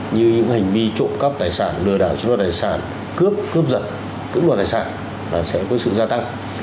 như những hành vi trộm cắp tài sản lừa đảo chính đoàn tài sản cướp cướp giật cướp đoàn tài sản sẽ có sự gia tăng